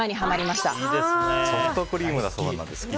きっかけはソフトクリームだそうです。